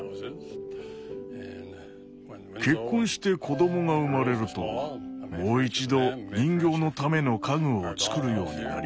結婚して子どもが生まれるともう一度人形のための家具を作るようになりました。